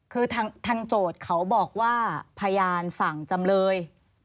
คือทางโจทย์เขาบอกว่าพยานฝั่งจำเลย